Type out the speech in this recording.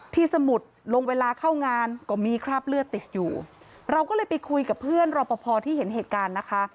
สมุทรลงเวลาเข้างานก็มีคราบเลือดติดอยู่เราก็เลยไปคุยกับเพื่อนรอปภที่เห็นเหตุการณ์นะคะ